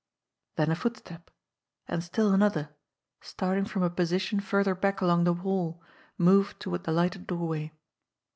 Then a footstep and still another, starting from a position further back along the hall, moved toward the lighted doorway.